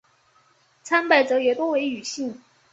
参拜者也多为女性。